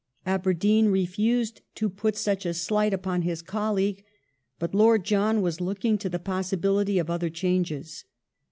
Aberdeen refused to put such a slight upon his colleague. But Lord John was looking to the pos sibility of other changes.